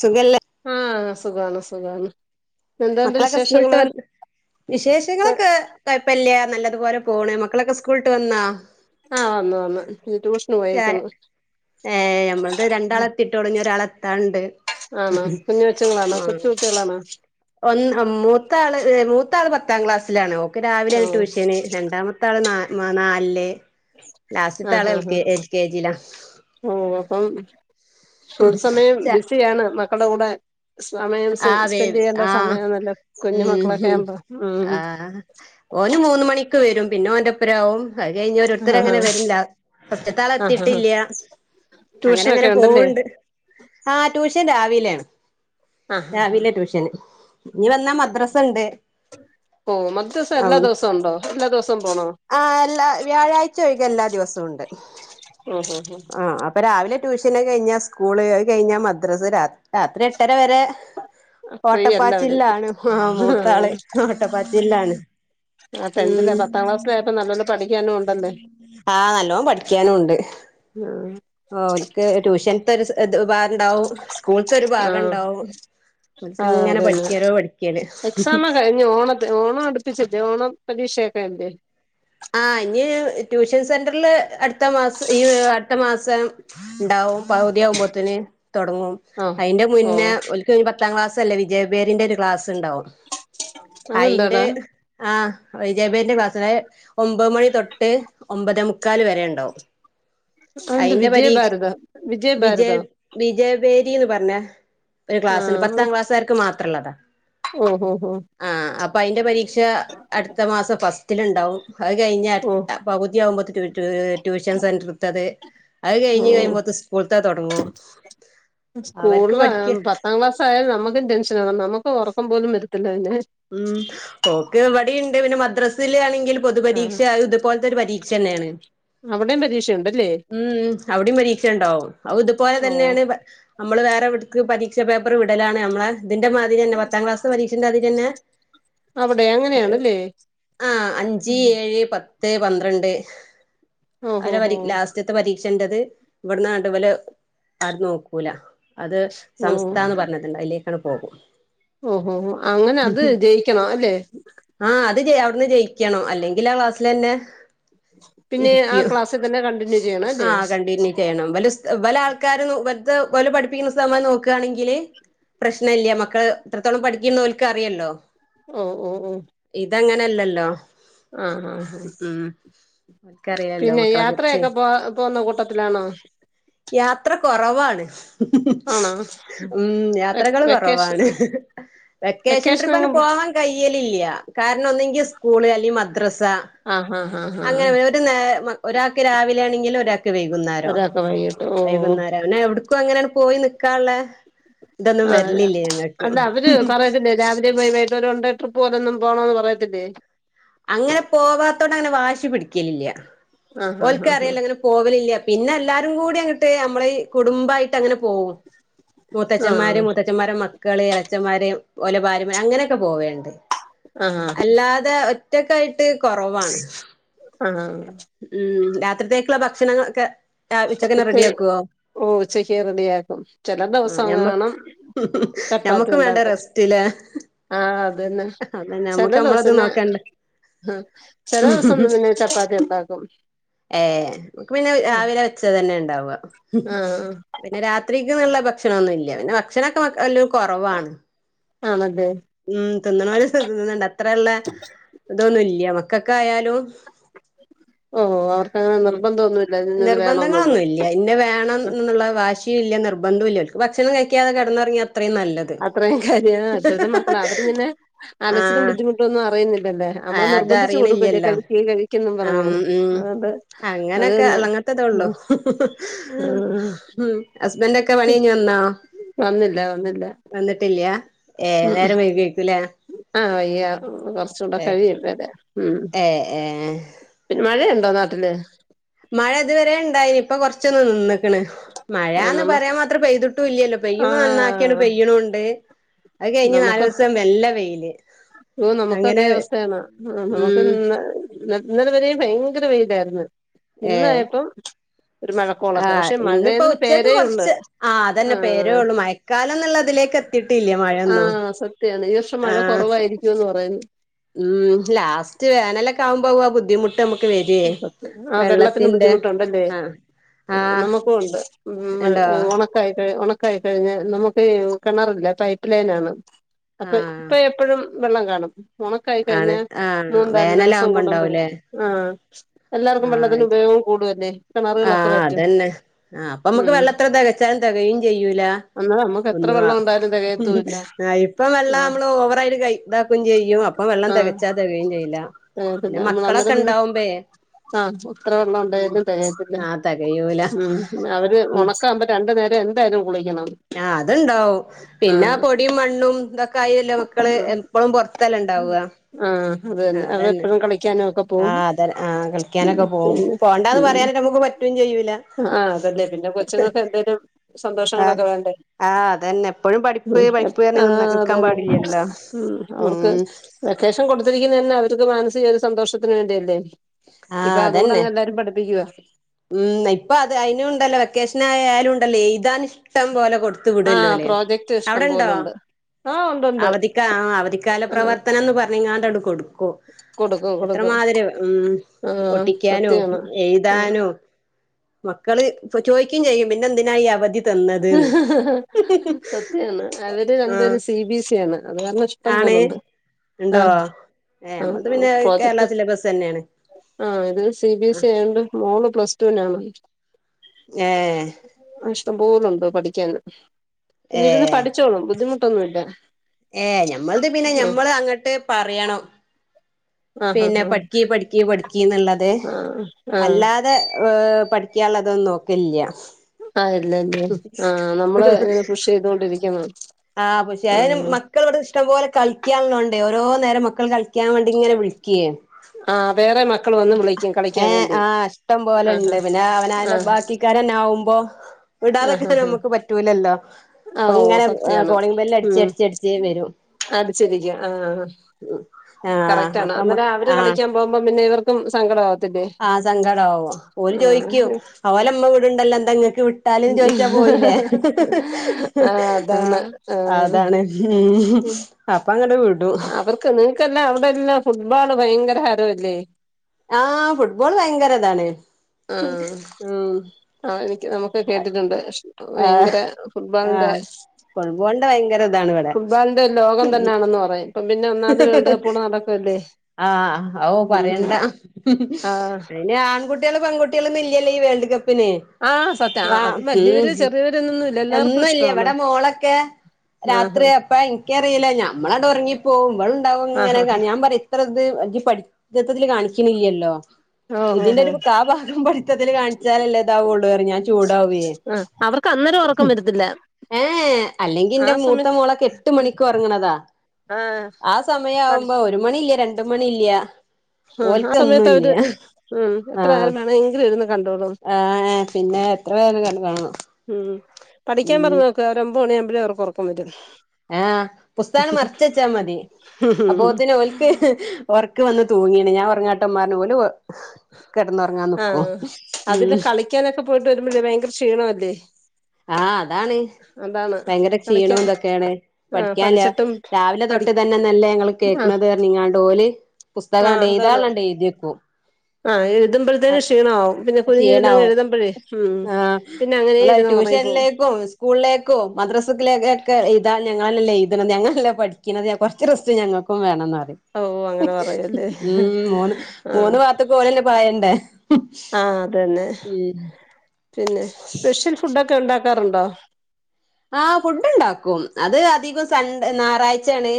സുഖല്ലേ ആ, സുഖാണ്, സുഖാണ് എന്തുണ്ട് മക്കളൊക്കെ സ്കൂളിട്ട് വിശേഷങ്ങള് വന്നാ, വിശേഷങ്ങളൊക്കെ കൊഴപ്പില്ല നല്ലതുപോലെ പോണേ, മക്കളൊക്കെ സ്കൂള് വിട്ട് വന്നാ ആ വന്ന്, വന്ന് ച ഏ നമ്മളടത് രണ്ടാളെ എത്തിട്ട് ഉള്ളു, ഇനി ഒരാള എത്താന്ണ്ട് ആണോ കുഞ്ഞ് കൊച്ചങ്ങളാണോ കൊച്ചു കുട്ടികളാണോ? ഒന്ന്, മൂത്താള്, മൂത്താ പത്താം ക്ലാസിലാണ് രാവിലെ ആഹ് ആണ് ട്യൂഷന്, രണ്ടാമത്തെ ആള് നാലാ ആ, നാലില് അ, ലാസ്റ്റ്ത്തെ ആള് ആ, എൽ ആ കെ എൽ കെ ജിയിലാ ഓ അപ്പം ഫുൾ സമയം ച ബിസിയാണ് മക്കടെ കൂടെ സമയം സ് ആ, സ്പെൻഡ് ചെയ്യേണ്ട ആ, സമയാണല്ലോ കുഞ്ഞു ഉം, മക്കളൊക്കെ ആവുമ്പോ ഉം ആ ഓന് മൂന്ന് മണിക്ക് വരും പിന്നെ ഓന്റെപ്പരാവും അത്, കഴിഞ്ഞ് ആഹ് ഒരോത്തര് അങ്ങനെ വരില്ല [unintelligible] ആഹ് ആഹ് എത്തിയിട്ടില്ല അങ്ങനെ ട്യൂഷനൊക്കെ അങ്ങനെ ഉണ്ടല്ലേ പോവുണ്ട്, ആ ട്യൂഷൻ രാവി [unintelligible] ആഹ് രാവിലെ ട്യൂഷന് ഇനി വന്നാ മദ്രാസ ഉണ്ട് ഓ മദ്രസ എല്ലാ ദിവസം ഉണ്ടോ? എല്ലാ ദിവസം പോണോ ഉച്ച കഴിഞ്ഞ് എല്ലാ ദിവസവും ഉണ്ട് ഉം, ഉം, ഉം ട്യൂഷന് കഴിഞ്ഞാ സ്കൂള്, അത് കഴിഞ്ഞാൽ മദ്രസ, രാത്രി എട്ടര വരെ ഫ്രീ എല്ലാവരും ഓട്ടപ്പാച്ചിൽല്ലാണ് ആ മൂത്താള് ഓട്ടപ്പാച്ചിൽല്ലാണ് ആഹ് ടെൻത്തിലെ ഉം പത്താം ക്ലാസ്സിലായപ്പോ നല്ലോലെ പഠിക്കാനും ഉണ്ടല്ലേ ആഹ് നല്ലോണം പഠിക്കാനുണ്ട് ആഹ് ഓര്ക്ക് ട്യൂഷൻ [unintelligible] ആ ഓൽക്ക് ആ ഇങ്ങനെ അതന്നെ പഠിക്കലോ പഠിക്കല് എക്സാമൊ കഴിഞ്ഞ് ഓണ ഓണം അടുപ്പിച്ചിട്ടേ ഓണം പരീക്ഷയൊക്കെ അല്ലെ ആ ഇഞ് ടൂഷാ ട്യൂഷൻ സെന്ററിൽ അടുത്ത മാസം ഈ ഏഹ് അടുത്ത മാസം ഉണ്ടാവും പകുതിയാകുമ്പോത്തന് തുടങ്ങും ആഹ് അയിന്റെ ഓഹ് മുന്നേ ഓൽക്ക് ഒരു പ പത്താം ക്ലാസ്സ്‌ അല്ലെ വിജയബെരിന്റെ ഒരു ക്ലാസ് ണ്ടാവും അയിന്റെ അതെന്താടാ ആ വിജയബേരിന്റെ ക്ലാസ്സ്‌ എഹ് ഒമ്പത് മണി തൊട്ട് ഒമ്പതെ മുക്ക മുക്കാല് വരെണ്ടാവും അതെന്ത് വിജയഭാരത് വിജയഭാരതോ വേരിന്ന് പറഞ്ഞ ഒരു ക്ലാസ്സി ആഹ് പത്താം ക്ലാസ് ആർക്ക് മാത്രംള്ളതാ ഓഹ് ഓഹ് ഓഹ് ആ അയിന്റെ പരീ [unintelligible] അടുത്ത മാസം പത്ത് ഇതിലുണ്ടാവും അത് കയിഞ്ഞടുത്ത പകുതിയാവും [unintelligible] ട്യൂഷൻ സെന്റർത്തത് അത് ഓ കഴിഞ്ഞ് കഴിയുമ്പോത്ത് സ്കൂൾത്തെ തൊടങ്ങും അവർക്ക് സ്കൂളില് പഠിക്ക പത്താം ക്ലാസ് ആയാല് നമുക്കും ടെൻഷനാ നമുക്ക് ഉറക്കം പോലും വരത്തില്ല പിന്നെ ഉം ഓൾക്ക് ഇവടിണ്ട് പിന്നെ മദ്രസ് ത്തിൽ ആണെങ്കി ങ്കിൽ ആഹ് പൊതുപരീക്ഷ ഇതുപോലത്തെ ഒരു പരീക്ഷ തന്നെയാണ് അവിടെയും പരീക്ഷയുണ്ടല്ലേ ഉം അവിടയും പരീക്ഷ ഉണ്ടാവും അ ഇതുപോലെ ഓഹ് തന്നെയാണ് നമ്മള് വേറെവിട് പരീക്ഷാ പേപ്പർ വിടലാണ് നമ്മളെ ഇതിന്റെ മാതിരി തന്നെ പത്താം ക്ലസ് പരീക്ഷന്റെ ആതിരി തന്നെ അവിടെ അങ്ങനെയാണല്ലേ ആഹ് അഞ്ച് ഏഴ് പത്ത് പന്ത്രണ്ട് ഓഹോ അന ഹോ പ്രീ ലാസ്റ്റ്ത്തെ പരീക്ഷ എന്റെത് ഇവിടുന്ന ആണ്ടു [unintelligible] അത് നോക്കൂല അത് സമസ്ഥ പറഞ്ഞ അയിലേ അങ്ങന പോകും ഊ ഊ ന അങ്ങനെ അത് ജയിക്കണം അല്ലെ ആഹ് അത് അവിട്ന്ന് ജയിക്കണം അല്ലെങ്കിൽ ആ ക്ലാസ്സിലെതന്നെ പിന്നെ ആ ക്ലാസ്സിൽതന്നെ കണ്ടിന്യൂ ചെയ്യണം അല്ലേ പല ആൾക്കാരും വലുതെ പഠിപ്പിക്കുന്ന സമയം നോക്കുകയാണെങ്കില് പ്രശ്നില്ല മക്കള് എത്രത്തോളം പഠിക്കുന്ന ക്കറിയല്ലോ ഓ ഓ ഓ ഇതങ്ങനെയല്ലല്ലോ ആ ഓൽക്കറിയാലോ ആപിന്നെ മക്കളെ കുറിച്ച് യാത്രയൊക്കെ പോ പോന്ന കൂട്ടത്തിലാണോ പ്ലീസ് ആണോ [unintelligible] ഉം യാത്രകള് വെക്കേഷൻ കൊറവാണ് വെക്കേഷൻ ട്രിപ്പിന് വെക്കേഷനെങ്ങും പോവാൻ കഴയീലില്യാ കാരണം ഒന്നെങ്കിൽ സ്കൂളെ മ [unintelligible] ഡ്രെസ്സാ ആഹ് ആഹ് ആഹ് ആഹ് അങ്ങനെ ഒരു നേരം രാ ഒരാക്ക് രാവിലെയാണെങ്കി ഒരാ വൈകുന്നേരം ഒരാൾക്ക് വൈകിട്ട് ഓ വൈകുന്നേരവനെഎവിടെ ഇപ്പാ അങ്ങനെ പോയി നക്കാള്ളെ ഇതൊന്നും ആഹ് വരിലില്ലേ ഞങ്ങക്ക് അല്ല അവര് പറയത്തില്ലേ രാവിലെ വൈബായിട്ടൊരണ്ടേ ട്രിപ്പ് പോലൊന്നും പോണന്ന് പറയത്തില്ലേ അങ്ങനെ പോവാത്തോണ്ട് അങ്ങനെ വാശി പിടിക്കലില്ല ആഹ് ആഹ് ഓൽക്കറിയില്ലങ്കിലും പോവലില്ല പിന്നെല്ലാരും കൂടി അങ്ങിട്ട് നമ്മളയീ കുടുംബായിട്ട് അങ്ങനെ പോവും മൂത്തച്ഛന്മാര് ആഹ് മൂത്തച്ഛന്മാര മക്കള് ഇളച്ചന്മാര് ഓല ഭാര്യമാര് അങ്ങനെയൊക്കെ പോവേണ്ട് ആഹ് അല്ലാതെ ഒറ്റക്കായി ഇട്ട് കുറവാണ് ആ ഉം രാത്രിത്തേക്കുള്ള ഭക്ഷണങ്ങളൊക്കെ ഉച്ചക്കന്നെ ഉച്ച റെഡി ആക്കുവോ ഓ ഉച്ചക്കേ റെഡിയാക്കും ചില ആ ഞമ്മക്ക് ദിവസെങ്ങാണും ചപ്പാത്തി ഞമ്മക്കും വേണ്ട ഉണ്ടാക്കും റെസ്റ്റ്ല്ലേ ആ അതന്നെ അതന്നെ ചില നമ്മുക്ക് നമ്മളത് ദിവസന നോക്കണ്ട ചില ദിവസംന്നെ ചപ്പാത്തി ഉണ്ടാക്കും ഏ നക്ക് പിന്നെ രാവിലെ പച്ച തന്നെ ഉണ്ടാവുക ആഹ് പിന്നെ രാത്രി ഭക്ഷണ ഒന്നുംല്ല പിന്നെ ഭക്ഷണൊക്കെ വെക്കല് കുറവാണ് ആണല്ലേ ഉം തിന്നണത് ഒരു ഇത് തിന്നണ്ട അത്രയള്ള ഇതൊന്നുമില്ല മക്കക്കായാലും ഓ അവർക്കങ്ങനെ ഉം നിർബന്ധമൊന്നുമില്ല ഇന്നത് വേണോന്നൊന്നും നിർബന്ധങ്ങളൊന്നുംല്ല ഇന്നെ വേണം എന്നുള്ള വാ വാശിയില്ല നിർബന്ധമില്ല അവർക്ക് ഭക്ഷണം കഴിക്കാതെ കിടന്നിറ അത്രയും കാര്യഅവിത് മക്കള അവരിങ്ങനെ അലച്ചരം ആഹ് ബുദ്ധിമുട്ടും ഒന്നും അറിയുന്നില്ലല്ലേ നമ്മള് നിർബന്ധിച്ച് കൊടുക്കില്ലേ കഴിക്ക് കഴിക്ക് ആ ഉം ഉം അത് അങ്ങനൊക്കെ തന്നെ അങ്ങനത്തതെ ഉള്ളു ഉം ഹ ഉം ഹ ഹസ്ബൻഡു ഒക്കെ പണി കഴിഞ്ഞു വന്നാ വന്നില്ല വന്നില്ല വന്നിട്ടില്ല ഏഴര വൈകിഴിക്കൂലേ ആഹ് വയ്യ ഉം കുറച്ച് കൂടെ കഴിയില്ലല്ലേ ഉം ഏഹ് ഏഹ് പിന്നെ മഴ നന്നാട്ടില് മഴ ഇതുവരെ ഉണ്ടായിനി ഇപ്പൊ കൊറച്ചൊന്ന് നിന്ന് ആ മഴന്ന് നമ്മ പറയാൻ മാത്രം പെയ്തിട്ടും ഇല്ലല്ലോ ആ പെയ്യുമ്പ നന്നാക്കിയാണ് പെയ്യണുണ്ട് അത് കഴിഞ്ഞ് നാലൂ നമുക്ക് സം നല്ല വെയില് ഓ നമുക്ക് അങ്ങനെ അതേ അവസ്ഥയാണ് ആഹ് നമുക്ക് ഉം ഇന്ന് [unintelligible] ഇന്നലെ വരയും ഭയങ്കെര വെയിലായി ര്ന്നു ഇന്നായപ്പം ഒരു മഴക്കോളൊക്കെ ആഹ് പക്ഷെ ഇന്നപ്പോ മഴയെന്ന് ഉച്ചക്ക് പേരേ ഉള്ളു കൊറച്ച് ആ അതന്നെ ആ പേരേള്ളു മഴക്കാലം എന്നുള്ളതിലേക്ക് എത്തിട്ടില്ല മഴയൊന്നും ആഹ് സത്യാണ് ഈ വർഷം മഴ ആഹ് [unintelligible] ഉം ലാസ്റ്റ് വേനലൊക്കെ ആവുമ്പോവാ ബുദ്ധിമു ആ വെള്ളത്തിന് ബുദ്ധിമുട്ടുണ്ടല്ലേ ആ ആ നമുക്കും ഒണ്ട് മ്മ് ഉണ്ടോ ഒണക്കായികഴി ഒണക്ക് കയികഴിഞ്ഞാ നമുക്കി കെണറില്ല പൈപ്പ് ലൈനാണ് ആ അപ്പോ ഇപ്പോ എപ്പഴും വെള്ളം കാണും ഒണക്കായി ആണ് കഴിഞ്ഞാ ആ മൂന്നും നാല് ദേവസം വേനലാകുമ്പോ കൂടുമ്പഴാ ഉണ്ടാവൂലേ ആഹ്‌ എല്ലാർക്കും വെള്ളത്തിന് ആ ഉപയോഗവും കൂടും അല്ലേ ആഹ് അതന്നെ ആഹ് അപ്പ നമ്മുക്ക് ഉം വെള്ളം എത്ര തെകച്ചാലും തെകയും ചെയ്യൂലാ അന്നേരം നമ്മുക്ക് എത്ര ഒന്ന് വെള്ളം ഉണ്ടായാലും തികയത്തൂല്ല ആഹ് ഇപ്പ വെള്ളം ആഹ് നമ്മള് ഓവറായിട്ട് കൈ ഇതാക്കുകയും ചെയ്യും അപ്പോ വെള്ളം ആഹ് തെകച്ചാ തെകയും ചെയ്യില്ല തികയത്തില്ല പിന്നെ നമ്മൾ മക്കളൊക്കെ അന്നേരം പിന്നെ ഇണ്ടാവുമ്പയെ ആഹ് എത്ര വെള്ളവോണ്ടേലും തെ പിന്നെ ആഹ് തികയൂല മ്മ് അവര് ഒണക്കാമ്പോ രണ്ട് നേ എന്തായാലും കുളി ആഹ് അത്ണ്ടാവും പിന്നെ ആഹ് പൊടിയും മണ്ണും ഇതൊക്കെ ആയില്ല മക്കള് ഉം എപ്പോളും പൊറത്തല്ലേ ഉം ണ്ടാവുകാ ആഹ് അത് തന്നെ അവര് എപ്പോഴും കളിക്കാനു ഒക്കെ പോവും അതെ ആഹ് ഉം കളിക്കാനൊക്കെ പോവും പിന്നെ പോണ്ടാന്ന് ഉം പറയാനായിട്ട് നമുക്ക് പറ്റും ചെയ്യൂല ആഹ് അത് അല്ലെ പിന്നെ കൊച്ചുങ്ങെക്ക് എന്തെലും ആഹ് സന്തോഷങ്ങളൊക്കെ വേണ്ടെ? ആഹ് അതന്നെ എപ്പഴും പഠിപ്പ് പഠിപ്പ് പറഞ്ഞ് നിന്ന നിക്കാൻ പാടില്ലല്ലോ ഉം തൊക്കെ മാനസിക ആയ ഒരു സന്തോഷത്തിന് വേണ്ടിയല്ലെ? ആഹ് അതെന്നെ ഉം ഇപ്പ അത് അയിനും ഇണ്ടെല്ലോ വെക്കേഷൻ ആയാലും ഇണ്ടെല്ലോ എഴ്താൻ ഇഷ് ട്ടം പോലെ കൊട്ത്ത് വുടെല്ലോ ആഹ് ഓൽ പ്രോജക്ട് അവ്ടെ ഇഷ്ടം ഇണ്ടോ പോലുണ്ട് ആഹ് ഉണ്ടുണ്ട് അവധിക്ക് ആ അവധിക്കാല ആഹ് പ്രവർത്തനംന്ന് പർഞ്ഞ്ങ്ങാ എട്ക്കും എട്ക്കും ക്കും കൊടുക്കും കൊടുക്കും എത്രമാതിരി ഉം ആഹ് ഒട്ടിക്കാനും സത്യാണ് ഉം എഴ്താനും മക്കെൾ ചോയ്ക്കു ചോയ്ക്കും ചെയ്യും പിന്നെന്തിനാ ഈ അവധി തന്നത്ന്ന് സത്യാണ് അവര് ആഹ് രണ്ടുപേരും സി. ബി. എസ്. സി. ആണ്. അത് കാരണം ഇഷ്ടം ആണ് പോലുണ്ട് ഉണ്ടോ ആഹ് ഏ നമ്മളത് ആഹ് പിന്നെ കേരള പ്രോജക്ട് സിലബസ് തന്നെയാണ് ആഹ് ഇത് സി. ബി. എസ്. സി. ആയോണ്ട് മോൾ പ്ലസ് ടൂനാണ് ഏഹ് ഇഷ്ടം പോലുണ്ട് ഇപ്പ പഠിക്കാന്ന് പിന്നെ ഇരുന്ന് പഠിച്ചോളും ബുദ്ധിമുട്ടൊന്നും ഇല്ല ഏഹ് ഞമ്മൾത് പിന്നെ ഞമ്മള് അങ്ങട്ട് പറയണം. ആ പിന്നെ ആ പഠിക്കി പഠിക്കി പഠിക്കീന്ന്ള്ളത്. ആ ആ അല്ലാതെ ഏഹ് പഠി ക്ക്യാള്ളതൊന്നും ഓക്കില്ല. ആഹ് ഇല്ലല്ലേ ആഹ് നമ്മള് ങ്ങനെ പുഷെയ്തോണ്ടിരിക്കണം. ആഹ് പുശേ അയിന് മക്കളിവിടെ ഇഷ്ടം പോലെ കളിക്ക്യാള്ളോണ്ടേ ഓരോ തോ നേരം മക്കൾ കളിക്കാൻ വേണ്ടി ഇങ്ങനെ വിൾക്കേ. ആഹ് വേറെ മക് ഏഹ് ആഹ് ഇഷ്ടം ആ പോലെണ്ട് ആ പിന്നെ ആ ആവനാന്റെ ബാക്കിക്കാരന്നാവുമ്പം. [unintelligible] ആ ആ വിടാതെക്കാനും ആ അമുക്ക് പറ്റൂലല്ലോ. ആ ഓ പ്പങ്ങനെ സത്യാണ് കോളിങ് ബെല്ല് അടിച്ച് ഉം അടിച്ച് അടിച്ച് വരും ആഹ് കറക്റ്റാണ് അപ്പൊ അന്നരം നമ്മക്ക് അവര് ആഹ് കളിക്കാൻ പോവുമ്പം പിന്നെ ഇവർ ക്കും സങ്കടാവ് ആഹ് സങ്കടാവും. ഓല് ചോയിക്ക്‌യും അവലമ്മ വിട്ണ്ടല്ലോ എന്തെങ്ങക്ക് വിട്ടാ ലും ചോയ്ച്ച പോയിലെ. ആഹ് അതാണ് ആഹ് ആഹ് അതാണ് ഉംഹ്. ഉം അപ്പങ്ങട് വിട് അവർക്ക് നിങ്ങക്കെല്ലാം അവിടെല്ലാം ഫുട്ബോള് ഭയ് ങ്കരഹരു അല്ലേ ആഹ് ഫുട്ബോൾ ഭയങ്കരതാണ്. ഉം ആഹ് ആഹ് ആഹ് നി ക്ക്‌ നമുക്ക് കേട്ടിട്ടുണ്ട്. ഷ് ആഹ് വയങ്കര ഫുട്ബോളിന്റെ ആഹ് ഫുട്ബോളിന്റെ ഭയങ്കര ഇതാണ് ഇവിടെ ഫുട്ബോളിന്റെ ലോകം തന്നെയാണെന്ന് പറയും. ഇപ്പം പിന്നെ ഒന്നാമത് വേൾഡ് കപ്പൂടെ നടക്കുവല്ലേ ആഹ് ഓഹ് ഉം പറയണ്ട. ആഹ് ഇനി ആൺകുട്ടിള് പെൺകു ട്ട്യേള്ന്ന് ഇല്ല്യല്ല് ഈ വേൾഡ് കപ്പ് പിനേ ആഹ് സത്യ ആഹ് അത് വലിയവര് ഉം ചെറിയവരെന്നൊന്നുല്ല എല്ലാർക്കും എന്നുംല്ല ഇഷ്ടമാണ് ഇവടെ മോളൊക്കെ ആഹ് രാത്രി അപ്പ ഇൻക്കറിയില ഞമ്മളട് ഒർങ്ങി പോ വെൾണ്ടാവും ആഹ് ആഹ് ഇങ്ങനൊക്കെണ് ഞാൻ പർയാ ഇത്ര ഇത് അൻക്കി പഠി ര്ത്തത്തില് കാണിക്ണില്ലല്ലോ. ഓഹ് ഇതിന്റെ ഓഹ് ഒരു ഓഹ് കാ ഭാഗം പഠിത്തത്തിൽ കാണിച്ചാലല്ലേ ഇതാവോള്ളറി ഞാൻ ചൂടാവേ. ആഹ് അവർക്ക് അന്നേരം ഉറക്കം ഉം വരത്തില്ല ഏഹ് ഏഹ് അല്ലെങ്കി ആ ൻ്റെ മൂത്ത സമയത്ത് മോളക്കെ എട്ട് മണിക്ക് ഉറങ്ണതാ. ആഹ് ആ സമയം പഠി ആവുമ്പോ ഒരു മണി ക്ക് രണ്ട് മണി ഇല്ല ആഹ് ആ സമയത്ത് ഓൽക്കൊന്നുല്ല അവര് ഉം ആ എത്ര നേരം വേണമെങ്കിലും ഇരുന്ന് കണ്ടോളും ആ പിന്നെ എത്ര പേര് കണ്ട് കാണുവോ ഉം പഠിക്കാൻ പറഞ്ഞ കേറും ഒൻപത് മണിയമ്പഴേ അവർക്ക് ഉറക്കം വരും ആ പുസ്തകം മറിച്ച് വച്ചാ മതി അപ്പൊ തന്നെ ഓൽക്ക് ഉറക്കം വന്ന് തൂങ്ങിയാണ് ഞാൻ ഉറങ്ങാ ട്ടമ്മാ പറഞ്ഞ് ഓല് കെടന്നൊറങ്ങാൻ ആ നിക്കും ഉം അതില്ല കളിക്കാനൊക്കെ പോയിട്ട് വരുമ്പഴേ ഭയങ്കര ക്ഷീണം അല്ലേ ആ അതാണ് ഭയങ്കര കളിക്കാൻ ക്ഷീണവും ഇതൊക്കെയാണ് ആഹ് പഠിക്കാൻ ഇല്ല പഠിച്ചിട്ടും രാവിലെ പഠി തൊട്ട് ഇത് തന്നല്ലേ ഞങ്ങള് ആഹ് കേക്കണത് പറഞ്ഞിങ്ങാണ്ട് ഓല് പുസ്തകം അങ്ങട് ആഹ് അതാണ് എഴുതാനുള്ളത് എഴുതിവക്കും ആഹ് എഴുതുമ്പഴുത്തേനും ക്ഷീണാവും പിന്നെ കുനിഞ്ഞിരുന്നങ് ക്ഷീണാവും എഴുതമ്പഴേ ഉം ആഹ് പിന്നെ അങ്ങനെ ങ്ങളെ ഇരുന്ന് ഉറങ്ങിപ്പോവും ട്യൂഷനിലേക്കും സ്കൂളിലേക്കും മദ്രസത്തിലേക്കും ഒക്കെ എഴുതാൻ ഞങ്ങളല്ല എഴുതണത് ഞങ്ങളല്ലേ പഠിക്കണത് കുറച്ച് റെസ്റ്റ് ഞങ്ങക്കും വേണംന്ന് പറയും ഓ അങ്ങനെ പറയല്ലേ ഉം മൂന്ന് മൂന്ന് ഭാഗത്തേക്കും ഓലല്ലേ പായണ്ടേ ആ അത് തന്നെ ഉം പിന്നെ സ്പെഷ്യൽ ഫുഡോക്കെ ഉണ്ടാ ഉണ്ടാകാറുണ്ടോ ആഹ ഫുഡ് ഉണ്ടാക്കും അത് അധികം സൺ ഞാറാഴ്ചണ്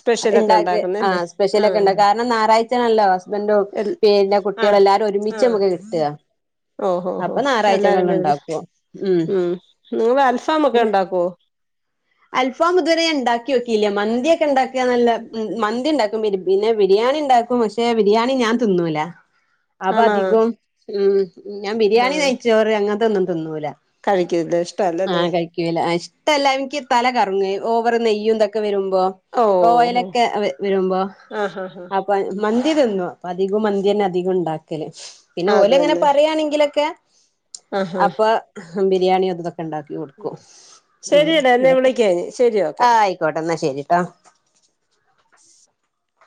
സ്പെഷ്യലൊക്കെ ഉണ്ടാക്ക് ആ ഉണ്ടാക്കുന്നല്ലേ സ്പെഷ്യലൊക്കെ ആഹ് ഉണ്ടാക്ക് കാരണം ഞാറാഴ്ചേണല്ലോ ഹസ്‌പെൻഡും എൽ പിന്നെ ആ കുട്ടികൾ എല്ലാരും ഒരുമിച്ച് ആഹ് നമുക്ക് കിട്ട ഓഹോ ഹോ അപ്പൊ എല്ലാരും ഞായറാഴ്ചകളിൽ വരുന്ന ഉണ്ടാക്കും ഉം നിങ്ങള് അൽഫാമൊക്കെ ഉണ്ടാക്കുവോ അൽഫാം ഇതുവരെ ഞാൻ ഉണ്ടാക്കിയോക്കില്ല്യ മന്തിയക്കെ ഉണ്ടാക്കന്നല്ലാ മന്തി ഉണ്ടാക്കും പിന്നെ ബിരിയാണി ഇണ്ടാക്കും പക്ഷെ ബിരിയാണി ഞാൻ തിന്നൂല അപ്പൊ ആണോ അതികോം ഉം ഞാൻ ആഹ് ബിരിയാണി നെയ്ച്ചോറ് അങ്ങനത്തൊന്നും തിന്നൂല കഴിക്കില്ല ഇഷ്ടല്ലല്ലേ ആഹ് കഴിക്കൂല ഇഷ്ട്ടല്ലഇന്ക് [unintelligible] ഓവർ നെയ്യും ഇതൊക്ക വരു [unintelligible] ഓഹ് ഓഹ് ഓയിലൊക്കെ വരുമ്പോ ആഹ് ഹാ ഹാ അപ്പൊ മൻ മന്തി തിന്നും അപ്പൊ അധികം മന്തിയന്നെ അധികം ഉണ്ടാകല് പിന്നെ അത് ഓല്ങ്ങനെ തന്നെ പറയാണെങ്കിലൊക്കെ ആഹ് അപ്പൊ ബിരിയാണി അതു തൊ ക്കെ ഇണ്ടാക്കി കൊടുക്കും ഉം ശരിയടാ എന്നെ വിളിക്കാ ഇനി ശരി ഓക്കെ ആഹ ആയിക്കോട്ടെ ഇന്നാ ശരിട്ടോ